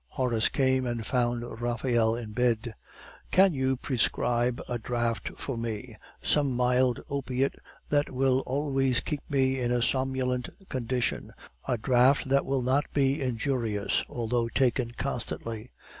Horace came and found Raphael in bed. "Can you prescribe a draught for me some mild opiate which will always keep me in a somnolent condition, a draught that will not be injurious although taken constantly."